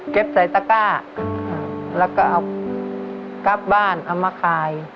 ใส่ตะก้าแล้วก็เอากลับบ้านเอามาขาย